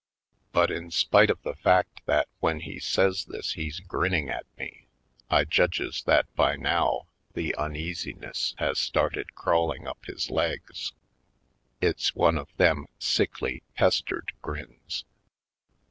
But in spite of the fact that when he says this he's grinning at me I judges that by now the uneasiness has started crawling up his legs. It's one of them sick ly, pestered grins.